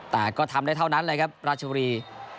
แต่ก็ทำได้เท่านั้นเลยครับราชบุรี